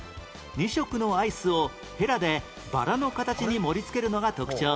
２色のアイスをヘラでバラの形に盛り付けるのが特徴